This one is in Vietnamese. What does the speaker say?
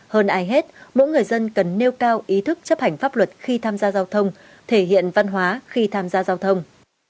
hơn ai hết mỗi người dân cần nêu cao ý thức chấp hành pháp luật khi tham gia giao thông thể hiện văn hóa khi tham gia giao thông